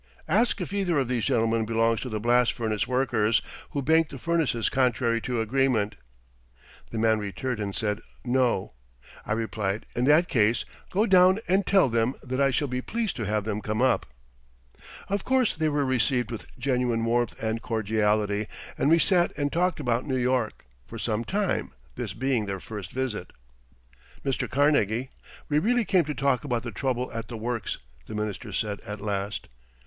"Ask if either of these gentlemen belongs to the blast furnace workers who banked the furnaces contrary to agreement." The man returned and said "No." I replied: "In that case go down and tell them that I shall be pleased to have them come up." Of course they were received with genuine warmth and cordiality and we sat and talked about New York, for some time, this being their first visit. "Mr. Carnegie, we really came to talk about the trouble at the works," the minister said at last.